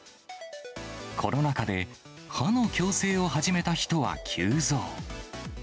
コロナ禍で、歯の矯正を始めた人は急増。